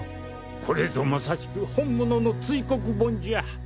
これぞまさしく本物の堆黒盆じゃ！